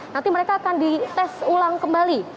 nanti mereka akan dites ulang kembali